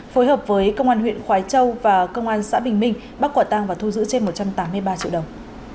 phối hợp với công an huyện khói châu và công an xã bình minh bắt quả tang và thu giữ trên một trăm tám mươi ba triệu đồng